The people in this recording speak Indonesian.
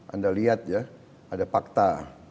anda lihat ada fakta